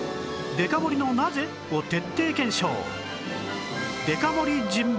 デカ盛りの「なぜ？」を徹底検証